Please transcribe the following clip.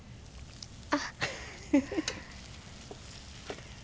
あっ。